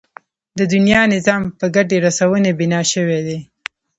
د دنيا نظام په ګټې رسونې بنا شوی دی.